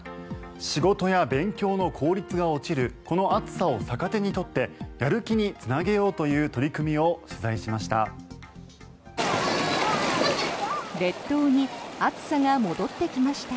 仕事や勉強の効率が落ちるこの暑さを逆手に取ってやる気につなげようという取り組みを取材しました。